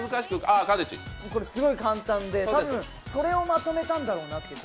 すごい簡単で多分それを丸くまとめたんだろうなと。